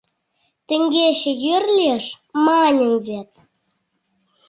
Теҥгече, йӱр лиеш, маньым вет.